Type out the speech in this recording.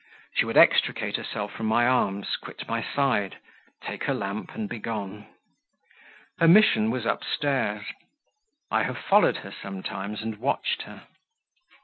She would extricate herself from my arms, quit my side, take her lamp, and be gone. Her mission was upstairs; I have followed her sometimes and watched her.